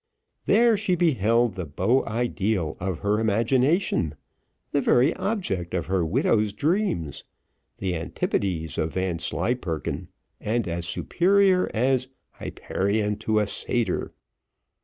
There she beheld the beau ideal of her imagination the very object of her widow's dreams the antipodes of Vanslyperken, and as superior as "Hyperion to a Satyr."